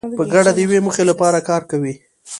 په ګډه د یوې موخې لپاره کار کوي.